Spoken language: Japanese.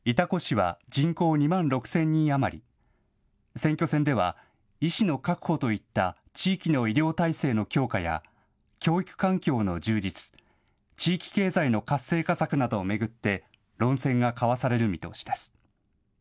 選挙戦では医師の確保といった地域の医療体制の強化や教育環境の充実、地域経済の活性化策などを巡って論戦が交わされる見通しです。